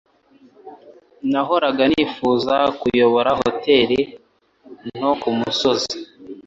Nahoraga nifuza kuyobora hoteri nto kumusozi.